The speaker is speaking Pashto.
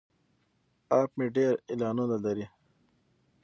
اپ مې ډیر اعلانونه لري.